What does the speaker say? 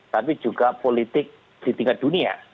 tapi juga politik di tingkat dunia